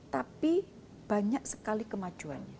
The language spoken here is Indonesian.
tapi banyak sekali kemajuannya